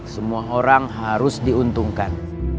semua orang harus diuntungkan